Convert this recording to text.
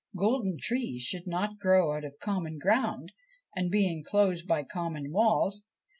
Golden trees should not grow out of common ground and be enclosed by common walls.